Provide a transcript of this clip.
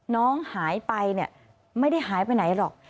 น้องหายไปเนี่ยไม่ได้หายไปไหนหรอก